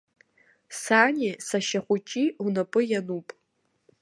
Сани сашьа хәыҷи унапы иануп.